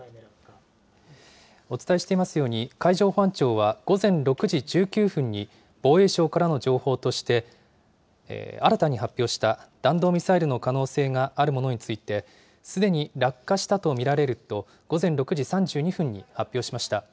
お伝えしていますように、海上保安庁は午前６時１９分に、防衛省からの情報として、新たに発表した弾道ミサイルの可能性があるものについて、すでに落下したと見られると、午前６時３２分に発表しました。